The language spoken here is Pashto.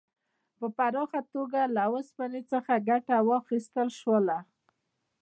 په پراخه توګه له اوسپنې څخه ګټه واخیستل شوه.